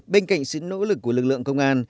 bên cạnh sự nỗ lực của lực lượng công an